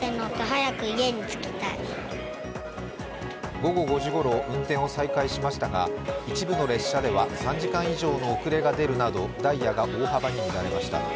午後５時ごろ運転を再開しましたが、一部の列車では３時間以上の遅れが出るなどダイヤが大幅に乱れました。